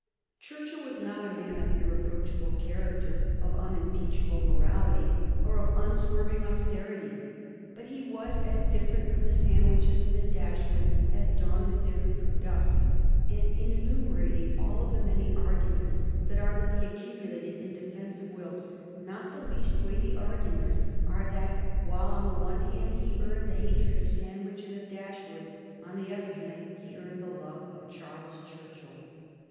Churchill was not a man of irreproachable character, of unimpeachable morality, or of unswerving austerity. But he was as different from the Sandwiches and the Dashwoods as dawn is different from dusk, and in enumerating all of the many arguments that are to be accumulated in defence of Wilkes, not the least weighty arguments are that while on the one hand he earned the hatred of Sandwich and of Dashwood, on the other hand he earned the love of Charles Churchill.